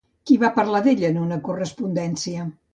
Qui va parlar d'ella en una correspondència?